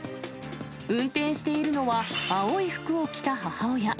運転しているのは、青い服を着た母親。